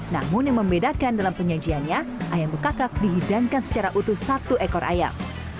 namun yang membedakan dalam penyajiannya ayam bekakak dihidangkan secara utuh satu ekor ayam